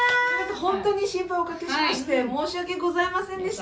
本当に心配おかけしまして、申し訳ございませんでした。